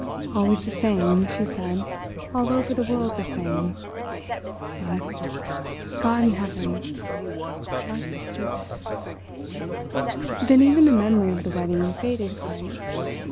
"Always the same," she said—"all over the world the same; but, God in heaven—but stupid." Then even the memory of the wedding faded quite.